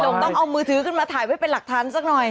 ต้องเอามือถือขึ้นมาถ่ายไว้เป็นหลักฐานสักหน่อย